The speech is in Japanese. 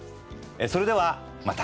それではまた。